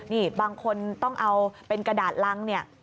นี่บางคนต้องเอาเป็นกระดาษรังเนี่ย